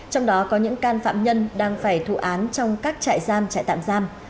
trong đó có những can phạm nhân đang phải thụ án trong các trại giam trại tạm giam